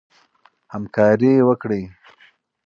همکاري وکړئ.